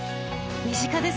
身近ですね。